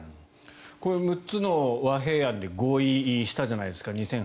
こういう６つの和平案に合意したわけじゃないですか。